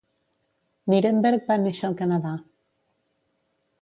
Nirenberg va néixer al Canadà.